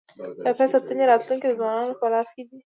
د چاپېریال ساتنې راتلونکی د ځوانانو په لاس کي دی.